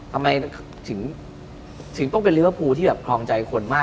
ทำไมถึงต้องเป็นริภูที่คลองใจคนมาก